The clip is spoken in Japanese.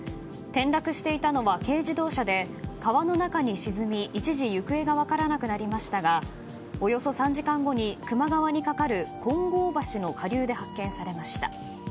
転落していたのは軽自動車で川の中に沈み一時、行方が分からなくなりましたがおよそ３時間後に球磨川に架かる金剛橋の下流で発見されました。